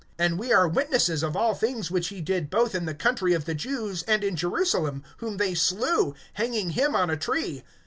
(39)And we are witnesses of all things which he did both in the country of the Jews, and in Jerusalem; whom they slew, hanging him on a tree.